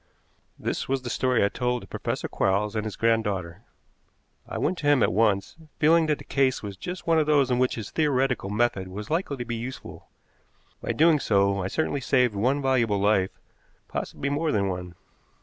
This was the story I told to Professor Quarles and his granddaughter. I went to him at once, feeling that the case was just one of those in which his theoretical method was likely to be useful. By doing so I certainly saved one valuable life, possibly more than one.